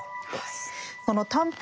その短編